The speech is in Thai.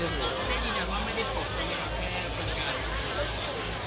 เต้ยยินยังว่าไม่ได้ปล่อยใจกับแค่คุณกัน